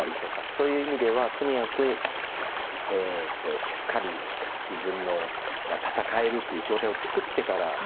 そういう意味ではとにかくしっかり自分の戦えるっていう状態を作ってから。